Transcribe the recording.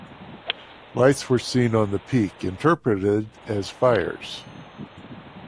Lights were seen on the peak interpreted as fires.